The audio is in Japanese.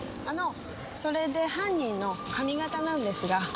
あのそれで犯人の髪型なんですが。